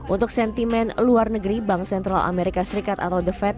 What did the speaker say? untuk sentimen luar negeri bank sentral amerika serikat atau the fed